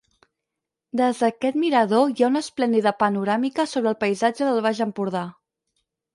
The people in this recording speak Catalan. Des d'aquest mirador hi ha una esplèndida panoràmica sobre el paisatge del Baix Empordà.